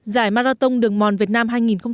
giải marathon đường mòn việt nam hai nghìn một mươi chín